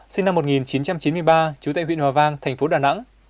sinh năm một nghìn chín trăm chín mươi ba trú tại huyện hòa vang thành phố đà nẵng